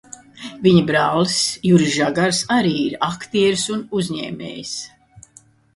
Viņa brālis Juris Žagars arī ir aktieris un uzņēmējs.